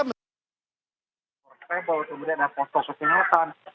semudian ada posko kesengatan